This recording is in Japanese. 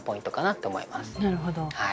なるほど。